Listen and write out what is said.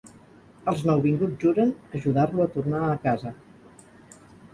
Els nouvinguts juren ajudar-lo a tornar a casa.